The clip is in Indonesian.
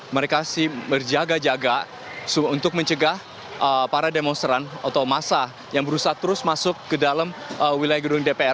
mereka berjaga jaga untuk mencegah para demonstran atau masa yang berusaha terus masuk ke dalam wilayah gedung dpr